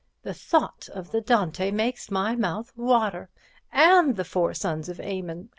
The thought of the Dante makes my mouth water—and the 'Four Sons of Aymon.'